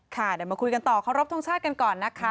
ค่ะเดี๋ยวมาคุยกันต่อเคารพทรงชาติกันก่อนนะคะ